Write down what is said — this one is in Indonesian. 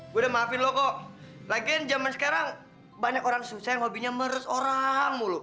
gue udah maafin lo kok lagian zaman sekarang banyak orang susah yang hobinya meres orang mulu